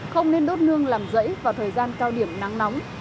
không nên đốt nương làm rẫy vào thời gian cao điểm nắng nóng